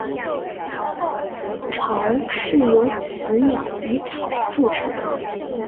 巢是由雌鸟以草筑成。